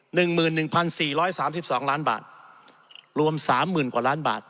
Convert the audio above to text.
๑หมื่น๑พัน๔๓๒ล้านบาทรวม๓หมื่นกว่าล้านบาท